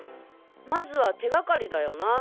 まずは手がかりだよな